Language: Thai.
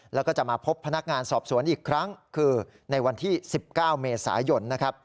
แล้วก็จะมาพบพนักงานสอบสวนอีกครั้งคือในวันที่๑๙เมษายนนะครับ